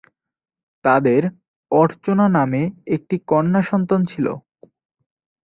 তাদের অর্চনা নামে একটি কন্যা সন্তান ছিল।